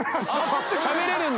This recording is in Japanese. しゃべれるんだ。